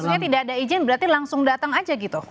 maksudnya tidak ada izin berarti langsung datang aja gitu